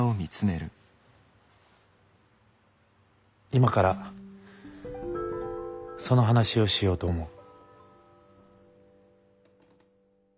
今からその話をしようと思う。